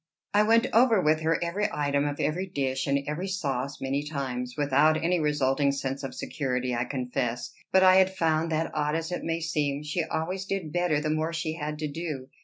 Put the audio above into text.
I went over with her every item of every dish and every sauce many times, without any resulting sense of security, I confess; but I had found, that, odd as it may seem, she always did better the more she had to do.